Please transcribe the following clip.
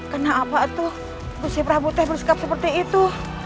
kenapa itu busi prabutnya bersikap seperti itu